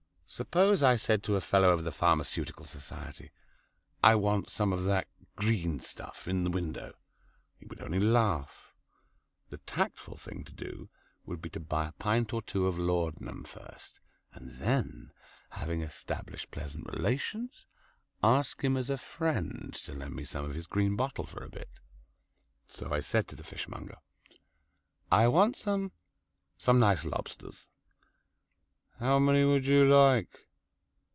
Suppose I said to a fellow of the Pharmaceutical Society, "I want some of that green stuff in the window," he would only laugh. The tactful thing to do would be to buy a pint or two of laudanum first, and then, having established pleasant relations, ask him as a friend to lend me his green bottle for a bit. So I said to the fishmonger, "I want some some nice lobsters." "How many would you like?"